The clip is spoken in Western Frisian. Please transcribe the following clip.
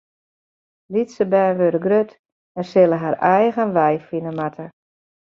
Lytse bern wurde grut en sille har eigen wei fine moatte.